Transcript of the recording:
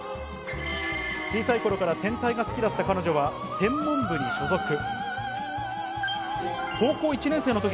小さい頃から天体が好きだった彼女は天文部に所属。